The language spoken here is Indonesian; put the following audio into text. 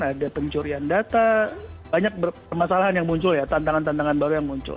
ada pencurian data banyak permasalahan yang muncul ya tantangan tantangan baru yang muncul